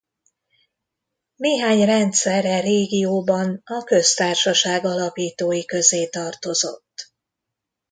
Néhány rendszer e régióban a Köztársaság alapítói közé tartozott.